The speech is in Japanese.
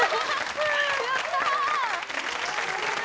やったー。